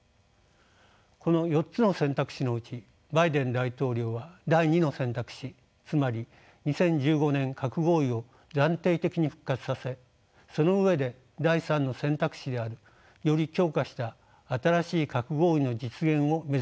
この４つの選択肢のうちバイデン大統領は第２の選択肢つまり２０１５年核合意を暫定的に復活させその上で第３の選択肢であるより強化した新しい核合意の実現を目指しているようです。